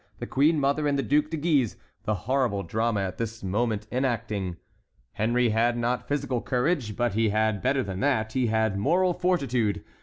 the queen mother, and the Duc de Guise, the horrible drama at this moment enacting. Henry had not physical courage, but he had better than that—he had moral fortitude.